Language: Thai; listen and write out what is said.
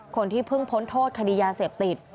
คนที่เพิ่งพ้นโทษคดียาเสพติด